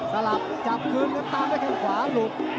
สลับจับคืนแล้วตามด้วยแข้งขวาหลุด